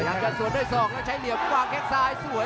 อย่างกันส่วนด้วยสองแล้วใช้เหลี่ยมวางแค่งซ้ายสวย